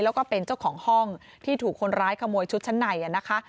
แล้วก็เป็นเจ้าของห้องที่ถูกคนร้ายขโมยชุดชั้นในนะคะ